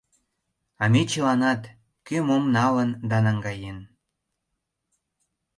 — А ме чыланат, кӧ мом налын да наҥгаен.